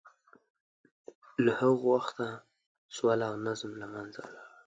له هغه وخته سوله او نظم له منځه ولاړ.